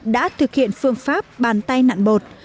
đã thực hiện phương pháp bàn tay nặn bột